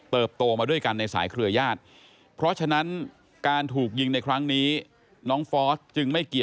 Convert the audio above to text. เปิบโตมาด้วยกันในสายเครือญาติเพราะฉะนั้นการถูกยิงในครั้งนี้